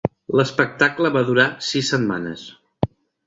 L"espectacle va durar sis setmanes.